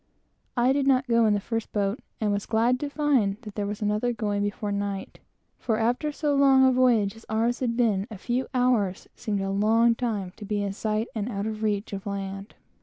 I did not go in the first boat, and was glad to find that there was another going before night; for after so long a voyage as ours had been, a few hours is long to pass in sight and out of reach of land.